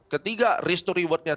ketiga risk to rewardnya